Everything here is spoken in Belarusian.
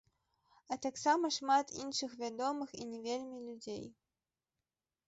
А таксама шмат іншых вядомых і не вельмі людзей.